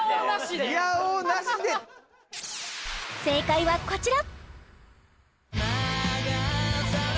正解はこちら！